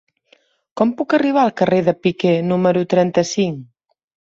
Com puc arribar al carrer de Piquer número trenta-cinc?